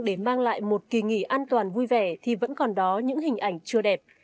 để mang lại một kỳ nghỉ an toàn vui vẻ thì vẫn còn đó những hình ảnh chưa đẹp